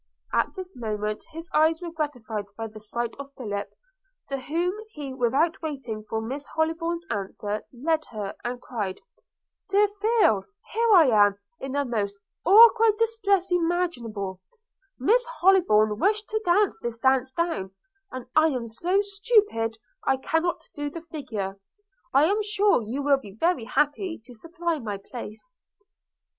At this moment his eyes were gratified by the sight of Philip, to whom he without waiting for Miss Hollybourn's answer, led her, and cried, 'Dear Phil, here am I in the most awkward distress imaginable; Miss Hollybourn wished to dance this dance down, and I am so stupid I cannot do the figure. I am sure you will be very happy to supply my place.'